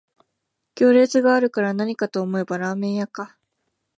行列があるからなにかと思えばラーメン屋か